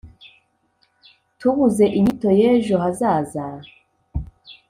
Tubuze inyito y’ejo hazaza